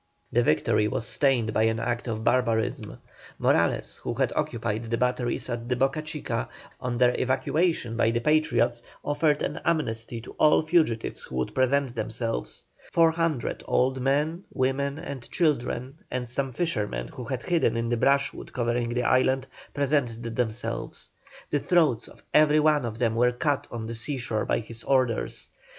The victory was stained by an act of barbarism. Morales, who had occupied the batteries at the Boca Chica, on their evacuation by the Patriots, offered an amnesty to all fugitives who would present themselves. Four hundred old men, women, and children, and some fishermen who had hidden in the brushwood covering the island, presented themselves. The throats of every one of them were cut on the seashore by his orders.